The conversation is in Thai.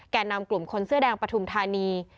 นำกลุ่มคนเสื้อแดงปฐุมธานี